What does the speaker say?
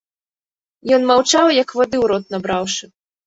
Ён маўчаў як вады ў рот набраўшы.